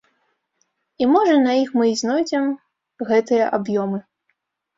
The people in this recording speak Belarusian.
І, можа, на іх мы і знойдзем гэтыя аб'ёмы.